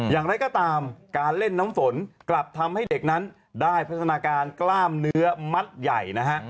อย่างไรก็ตามการเล่นน้ำฝนกลับทำให้เด็กนั้นได้พัฒนาการกล้ามเนื้อมัดใหญ่นะฮะ